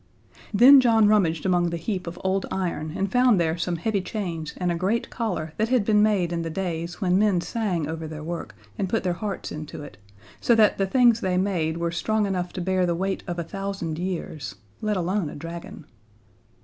Then John rummaged among the heap of old iron and found there some heavy chains and a great collar that had been made in the days when men sang over their work and put their hearts into it, so that the things they made were strong enough to bear the weight of a thousand years, let alone a dragon.